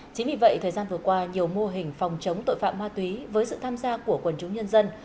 chính vì vậy thời gian vừa qua nhiều mô hình phòng chống tội phạm ma túy với sự tham gia của quần chúng nhân dân